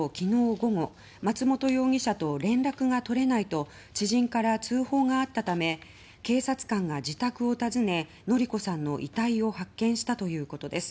午後松元容疑者と連絡が取れないと知人から通報があったため警察官が自宅を訪ね法子さんの遺体を発見したということです。